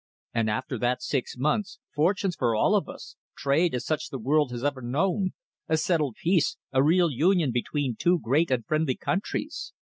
And after that six months, fortunes for all of us, trade such as the world has never known, a settled peace, a real union between two great and friendly countries.